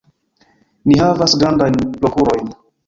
Ni havas grandajn prokurojn.